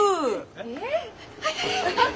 えっ？